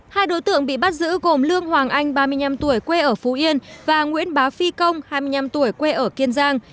hai đối tượng bị bắt giữ gồm lương hoàng anh ba mươi năm tuổi quê ở phú yên và nguyễn bá phi công hai mươi năm tuổi quê ở kiên giang